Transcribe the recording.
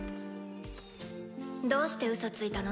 どうしてうそついたの？